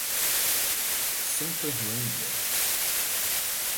Sanclerlândia